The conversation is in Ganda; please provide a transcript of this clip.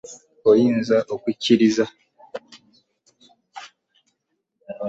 Oyinza okukiriza.